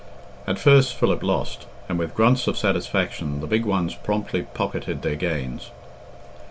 At first Philip lost, and with grunts of satisfaction the big ones promptly pocketed their gains.